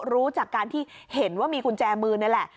รู้จากการที่เห็นว่ามีกุญแจมือนี่แหละ